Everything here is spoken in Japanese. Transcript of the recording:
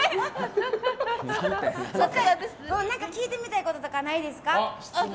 聞いてみたいこととかないですか？